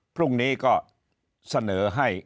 พรุ่งนี้ก็เสนอให้